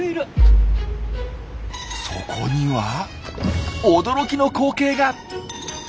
そこには驚きの光景が！